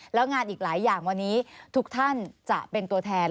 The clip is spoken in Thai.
แล้วงานอีกหลายอย่างวันนี้ทุกท่านจะเป็นตัวแทน